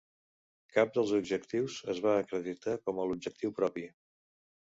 Cap dels objectius es va acreditar com a objectiu propi.